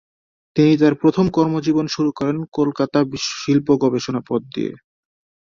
তিনি তার প্রথম কর্মজীবন শুরু করেন কলকাতা শিল্প গবেষণা পদ দিয়ে।